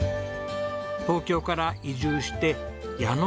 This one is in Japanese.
東京から移住して矢ノ